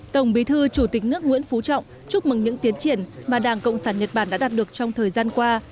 tổng bí thư chủ tịch nước nguyễn phú trọng chúc mừng những tiến triển mà đảng cộng sản nhật bản đã đạt được trong thời gian qua